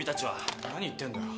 何言ってんだよ！